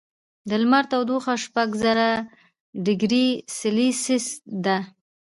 د لمر تودوخه شپږ زره ډګري سیلسیس ده.